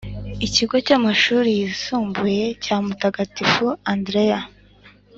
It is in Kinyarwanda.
ikigo cy’amashuri y’isumbuye cya mutagatifu Andereya.